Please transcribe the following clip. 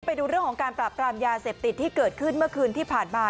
ไปดูเรื่องของการปราบปรามยาเสพติดที่เกิดขึ้นเมื่อคืนที่ผ่านมา